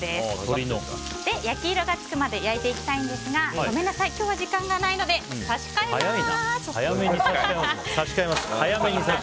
焼き色がつくまで焼いていくんですが今日は時間がないので差し替えます！